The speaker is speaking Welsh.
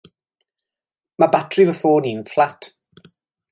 Mae batri fy ffôn i'n fflat.